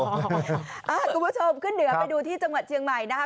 คุณผู้ชมขึ้นเหนือไปดูที่จังหวัดเชียงใหม่นะคะ